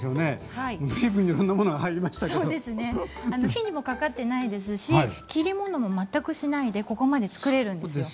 火にもかかってないですし切り物も全くしないでここまで作れるんですよ。